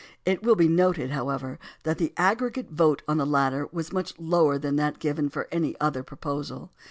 It wiU be noted, however, that the aggregate vote on the latter was much lower than that given for any other proposal.